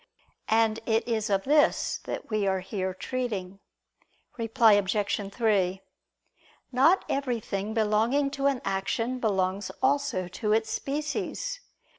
And it is of this that we are here treating. Reply Obj. 3: Not everything belonging to an action belongs also to its species.